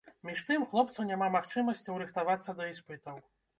Між тым, хлопцу няма магчымасцяў рыхтавацца да іспытаў.